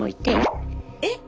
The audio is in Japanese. えっ？